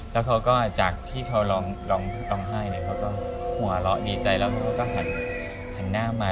แล้วเขาก็จากที่เขาร้องร้องไห้เขาก็หัวเราะดีใจแล้วเขาก็หันหน้ามา